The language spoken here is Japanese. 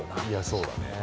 いやそうだね。